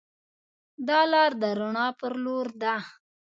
دا لار د رڼا پر لور ده.